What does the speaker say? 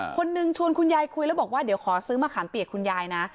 คนนึงชวนคุณยายคุยแล้วบอกว่าเดี๋ยวขอซื้อมะขามเปียกคุณยายนะ